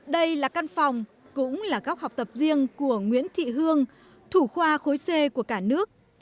đây là căn phòng cũng là góc học tập riêng của nguyễn thị hương thủ khoa khối c của cả nước